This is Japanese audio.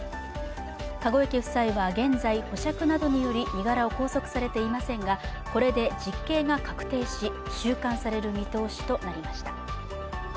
籠池夫妻は現在、保釈などにより身柄を拘束されていませんがこれで実刑が確定し収監される見通しとなりました。